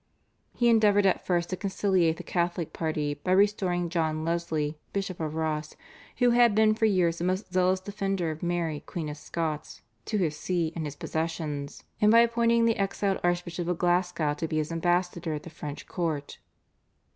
He endeavoured at first to conciliate the Catholic party by restoring John Leslie Bishop of Ross, who had been for years a most zealous defender of Mary Queen of Scots, to his See and his possessions, and by appointing the exiled Archbishop of Glasgow to be his ambassador at the French court.